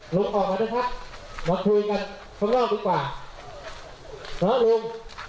ลุกออกมาด้วยครับมาคุยกันข้างนอกดีกว่าเนอะลุก